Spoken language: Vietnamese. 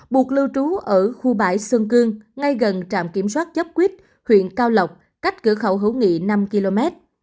buộc lưu trú ở khu bãi xuân cương ngay gần trạm kiểm soát chấp quýt huyện cao lộc cách cửa khẩu hữu nghị năm km